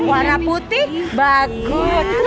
warna putih bagus